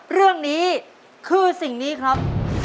รู้ครับ